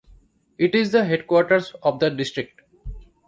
It is the headquarters of the district.